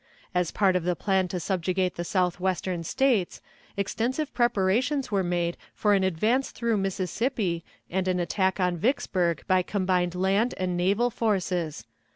As part of the plan to subjugate the Southwestern States, extensive preparations were made for an advance through Mississippi and an attack on Vicksburg by combined land and naval forces.